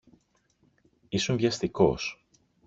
Ήσουν βιαστικός.